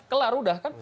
kelar sudah kan